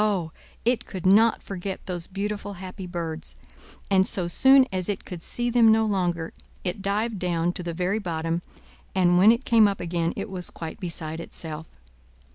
Oh! it could not forget those beautiful, happy birds; and so soon as it could see them no longer, it dived down to the very bottom, and when it came up again, it was quite beside itself.